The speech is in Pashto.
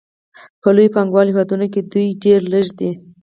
په لویو پانګوالو هېوادونو کې دوی ډېر لږ دي